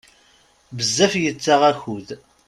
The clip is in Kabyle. Bezzaf yettaɣ akud.